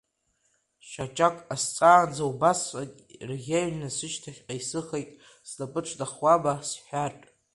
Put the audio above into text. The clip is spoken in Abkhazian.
Шьаҿак ҟасҵаанӡа убасҟак ирӷьеҩны сышьҭахьҟа исыхеит, снапы ҿнахуама сҳәартә.